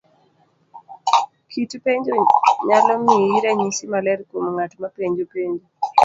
Kit penjo nyalo miyi ranyisi maler kuom nga't mapenjo penjo.